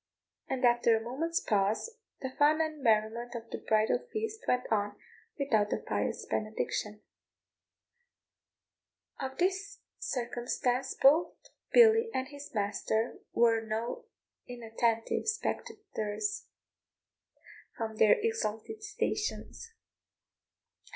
And after a moment's pause the fun and merriment of the bridal feast went on without the pious benediction. Of this circumstance both Billy and his master were no inattentive spectators from their exalted stations.